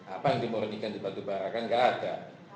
apa yang dimurnikan di batu bara kan enggak ada